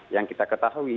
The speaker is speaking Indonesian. yang kita ketahui